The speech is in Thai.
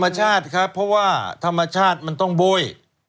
ธรรมชาติครับเพราะว่าธรรมชาติมันต้องโบ้ย